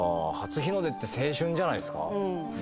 初日の出って青春じゃないですか？